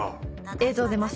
映像出ます。